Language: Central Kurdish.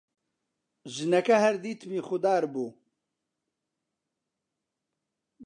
ژنەکە هەر دیتمی خودار بوو: